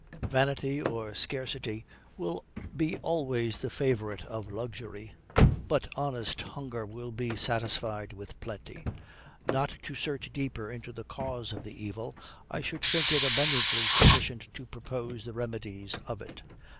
Vanity or scarcity will be always the favorite of luxury; but honest hunger will be satisfied with plenty. Not to search deeper into the cause of the evil, I should think it abundantly sufficient to propose the remedies of it.